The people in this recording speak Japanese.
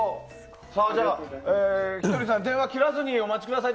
ひとりさん、電話を切らずにお待ちください。